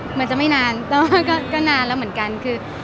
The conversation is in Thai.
เหมือนจะไม่นานแต่ว่าก็นานแล้วเหมือนกันคือ